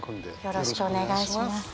よろしくお願いします。